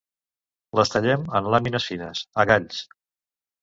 Les tallem en làmines fines, a galls.